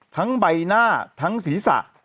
ทั้งใบหน้าทั้งศีรษะ